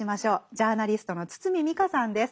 ジャーナリストの堤未果さんです。